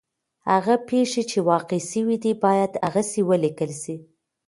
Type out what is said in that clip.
هغه پېښې چي واقع سوي دي باید هغسي ولیکل سي.